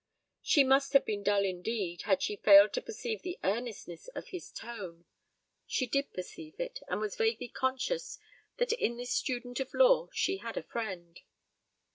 She must have been dull indeed had she failed to perceive the earnestness of his tone. She did perceive it, and was vaguely conscious that in this student of law she had a friend.